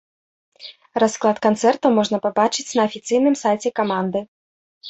Расклад канцэртаў можна пабачыць на афіцыйным сайце каманды.